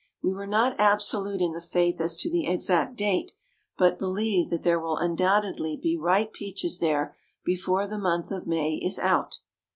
We were not absolute in the faith as to the exact date, but believe that there will undoubtedly be ripe peaches there before the month of May is out.